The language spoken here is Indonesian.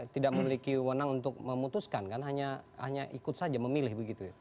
tidak memiliki wonang untuk memutuskan kan hanya ikut saja memilih begitu ya